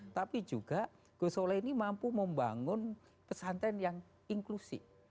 tapi juga gus soleh ini mampu membangun pesantren yang inklusif